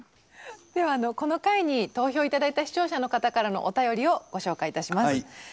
ではこの回に投票頂いた視聴者の方からのお便りをご紹介いたします。